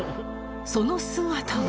その姿が